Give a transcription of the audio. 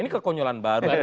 ini kekonyolan baru